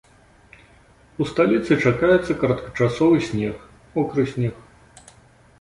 У сталіцы чакаецца кароткачасовы снег, мокры снег.